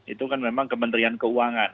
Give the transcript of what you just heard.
itu kan memang kementerian keuangan